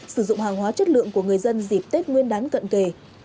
sử dụng hàng hóa chất lượng của người dân dịp tết nguyên đán cận kề